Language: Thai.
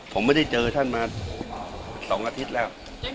ผมไม่ได้เจอท่านมา๒อาทิตย์แล้ว